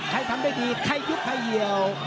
ทำได้ดีใครยุบใครเหี่ยว